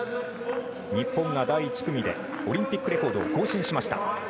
日本が第１組でオリンピックレコードを更新しました。